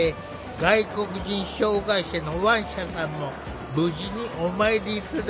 外国人障害者のワンシャさんも無事にお参りすることができた。